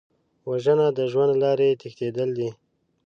وژنه د ژوند له لارې تښتېدل دي